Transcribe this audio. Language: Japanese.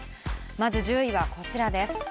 まず１０位はこちらです。